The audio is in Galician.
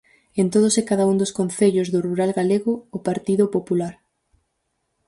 En todos e cada un dos concellos do rural galego, o Partido Popular.